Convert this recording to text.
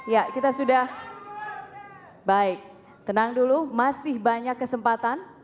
ya kita sudah baik tenang dulu masih banyak kesempatan